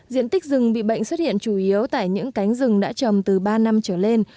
diện tích rừng bị bệnh xuất hiện chủ yếu tại những cánh rừng đã trồng từ ba năm trở lên